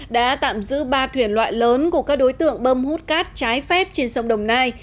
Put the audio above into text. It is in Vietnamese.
đã tạm giữ ba thuyền loại lớn của các đối tượng bơm hút cát trái phép trên sông đồng nai